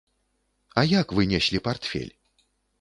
А як вы неслі партфель?